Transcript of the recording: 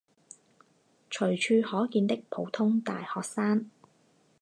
随处可见的普通大学生。